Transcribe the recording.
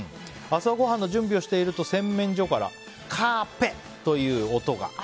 朝ごはんの準備をしていると洗面所からカーッ、ペッ！という音が。